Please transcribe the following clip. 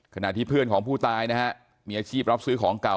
ขณะที่เพื่อนของผู้ตายนะฮะมีอาชีพรับซื้อของเก่า